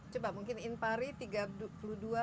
coba mungkin impari tiga puluh dua dan impari